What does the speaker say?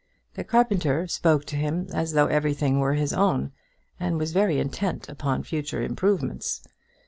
The carpenter spoke to him as though everything were his own, and was very intent upon future improvements.